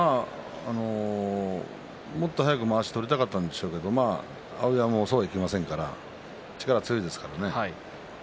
もっと早くまわし取りたかったんでしょうけど碧山はそうはいきませんから力が強いですから。